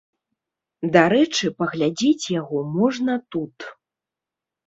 Дарэчы, паглядзець яго можна тут.